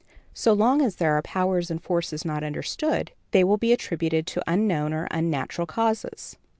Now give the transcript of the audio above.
So long as there are powers and forces not understood, they will be attributed to unknown or unnatural causes.